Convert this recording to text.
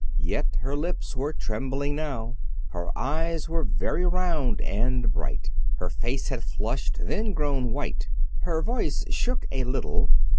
Yet her lips were trembling now. Her eyes were very round and bright. Her face had flushed, then grown white. Her voice shook a little.